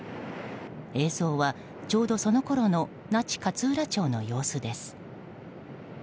映像はちょうどそのころの那智勝浦町の様子です。